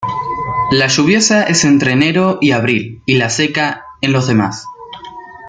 La lluviosa es entre enero y abril y la seca en los demás.